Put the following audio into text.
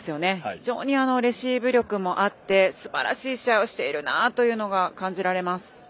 非常にレシーブ力もあってすばらしい試合をしているなというのが感じられます。